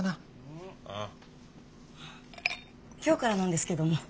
今日からなんですけども。